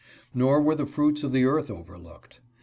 Nor were the fruits of the earth overlooked.